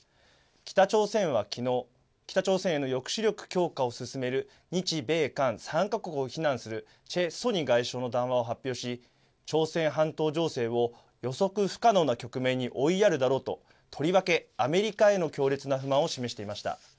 北朝鮮はきのう、北朝鮮への抑止力強化を進める日米韓３か国を非難するチェ・ソニ外相の談話を発表し、朝鮮半島情勢を予測不可能な局面に追いやるだろうと、とりわけアメリカへの強烈な不満を示していました。